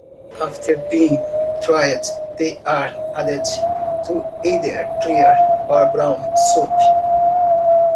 After being dried they are added to either clear or brown soup.